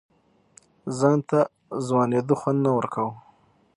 ځان ته ځوانېدو خوند نه ورکوه.